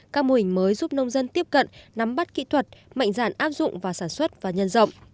các mô hình mới giúp nông dân tiếp cận nắm bắt kỹ thuật mạnh dạn áp dụng và sản xuất và nhân rộng